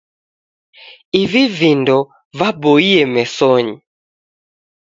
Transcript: Ivi vindo vaboie mesonyi.